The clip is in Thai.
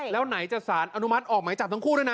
แล้วไหนจะสารอนุมัติออกหมายจับทั้งคู่ด้วยนะ